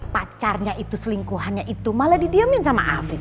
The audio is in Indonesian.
pacarnya itu selingkuhannya itu malah didiamin sama afif